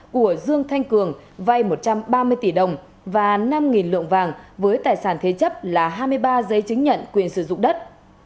của dương thanh cường vay một trăm ba mươi tỷ đồng và năm lượng vàng với tài sản thế chấp là hai mươi ba giấy chứng nhận quyền sử dụng đất